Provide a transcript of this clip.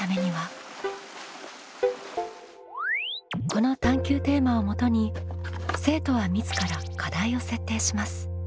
この探究テーマをもとに生徒は自ら課題を設定します。